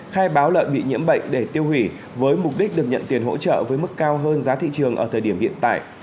khai báo lợn bị nhiễm bệnh để tiêu hủy với mục đích được nhận tiền hỗ trợ với mức cao hơn giá thị trường ở thời điểm hiện tại